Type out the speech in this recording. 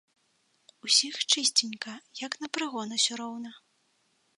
Усіх чысценька, як на прыгон усё роўна.